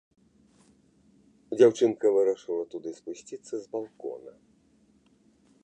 Дзяўчынка вырашыла туды спусціцца з балкона.